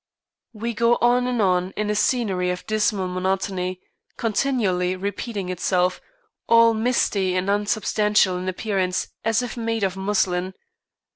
We go on and on in a scenery of dismal monotony, continually repeating itself, all misty and unsubstantial in appearance as if made of muslin.